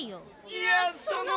いやその。